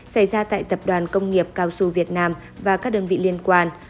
xảy ra tại tập đoàn công nghiệp cao su việt nam và các đơn vị liên quan